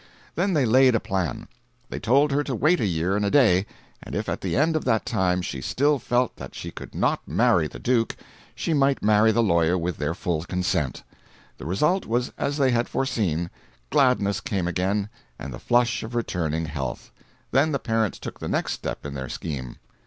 Then they laid a plan. They told her to wait a year and a day, and if at the end of that time she still felt that she could not marry the Duke, she might marry the lawyer with their full consent. The result was as they had foreseen: gladness came again, and the flush of returning health. Then the parents took the next step in their scheme.